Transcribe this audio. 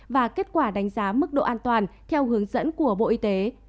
và kết quả đánh giá mức độ an toàn theo hướng dẫn của bộ y tế